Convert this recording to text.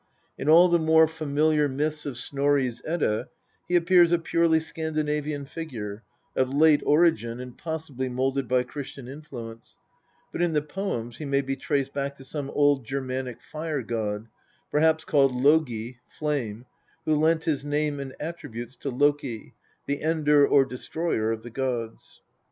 In all the more familiar myths of Snorri's Edda he appears a purely Scandinavian figure, of late origin and possibly moulded by Christian influence ; but in the poems he may be traced back to some old Germanic fire god, perhaps called "Logi," flame, who lent his name and attributes to Loki, the " ender " or destroyer of the gods.